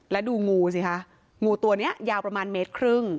แล้วดูงูสิคะงูตัวนี้ยาวประมาณเมตรครึ่ง